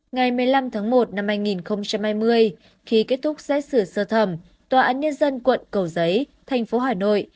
ngày một mươi năm tháng một năm hai nghìn hai mươi khi kết thúc xét xử sơ thẩm tòa án nhân dân quận cầu giấy thành phố hà nội